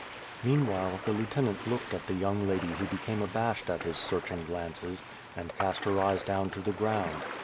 Meanwhile the lieutenant looked at the young lady who became abashed at his searching glances, and cast her eyes down to the ground.